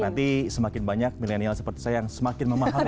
nanti semakin banyak milenial seperti saya yang semakin memahami